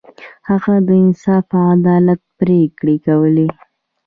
هغه د انصاف او عدالت پریکړې کولې.